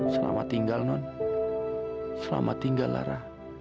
selamat tinggal non selamat tinggal lara